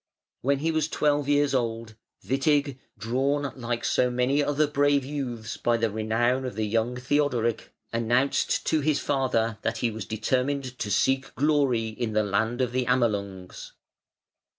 When he was twelve years old, Witig, drawn like so many other brave youths by the renown of the young Theodoric, announced to his father that he was determined to seek glory in the land of the Amelungs.